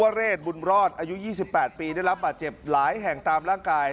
อายุ๒๘ปีได้รับบาดเจ็บหลายแห่งตามร่างกาย